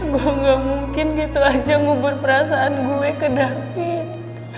gue gak mungkin gitu aja ngubur perasaan gue ke david